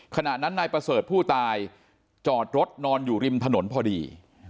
ขณะนั้นนายประเสริฐผู้ตายจอดรถนอนอยู่ริมถนนพอดี